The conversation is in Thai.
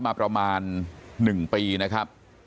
มาประมาณ๑ปีนะครับ